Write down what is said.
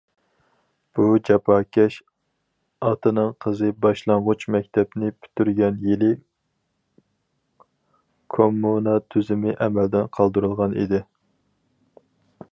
بۇ جاپاكەش ئاتىنىڭ قىزى باشلانغۇچ مەكتەپنى پۈتتۈرگەن يىلى كوممۇنا تۈزۈمى ئەمەلدىن قالدۇرۇلغان ئىدى.